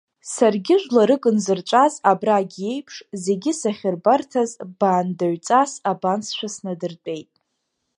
Саргьы жәларык нзырҵәаз абрагь иеиԥш, зегьы сахьырбарҭаз, баандаҩҵас абансшәа снадыртәеит.